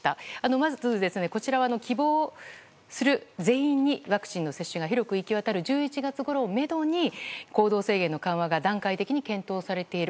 まず、こちらは希望する全員にワクチンの接種が広く行き渡る１１月ごろをめどに行動制限の緩和が段階的に検討されている。